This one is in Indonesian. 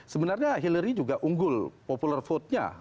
sebenarnya hillary juga unggul popular vote nya